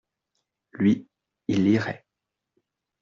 Lui, il lirait.